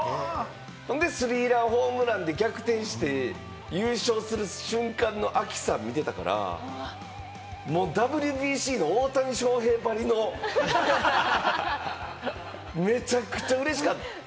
ほんでスリーランホームランで逆転して、優勝する瞬間の亜希さん見てたから、もうＷＢＣの大谷翔平ばりのめちゃくちゃ嬉しかった。